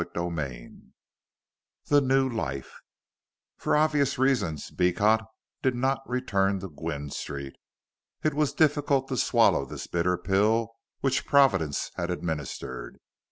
CHAPTER XII THE NEW LIFE For obvious reasons Beecot did not return to Gwynne Street. It was difficult to swallow this bitter pill which Providence had administered.